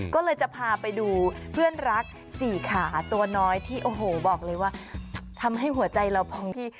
ก็เลยจะพาไปดูเพื่อนรักสี่ขาตัวน้อยที่โอ้โหบอกเลยว่าทำให้หัวใจเราพองที่